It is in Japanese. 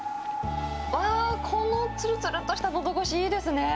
あー、このつるつるっとしたのどごし、いいですね。